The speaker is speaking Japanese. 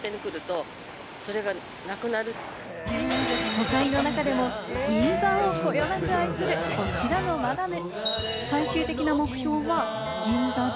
都会の中でも銀座をこよなく愛す、こちらのマダム。